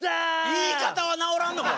言い方は直らんのか！